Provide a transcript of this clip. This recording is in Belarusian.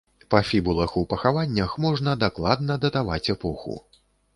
Па фібулах у пахаваннях можна дакладна датаваць эпоху.